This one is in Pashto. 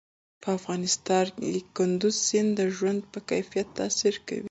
په افغانستان کې کندز سیند د ژوند په کیفیت تاثیر کوي.